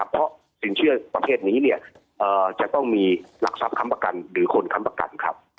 เพราะสินเชื่อประเภทนี้จะต้องมีหลักทรัพย์ค้ำประกันหรือคนค้ำประกันครับ